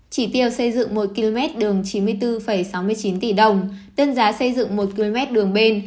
chỉ tiêu xây dựng một km đường chín mươi bốn sáu mươi chín tỷ đồng đơn giá xây dựng một km đường bên